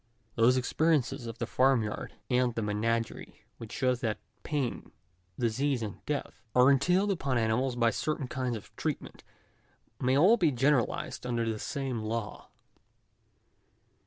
Those experiences of the farm yard and the menagerie which show that pain, disease, and death, are entailed upon animals by certain kinds of treatment, may all be generalised under the same law.